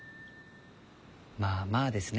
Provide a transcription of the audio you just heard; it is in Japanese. まあまあですね。